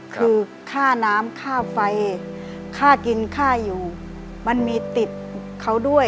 คือค่าน้ำค่าไฟค่ากินค่าอยู่มันมีติดเขาด้วย